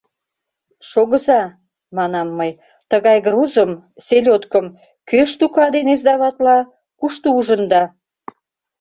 — Шогыза, — манам мый, — тыгай грузым — селёдкым — кӧ штука дене сдаватла, кушто ужында?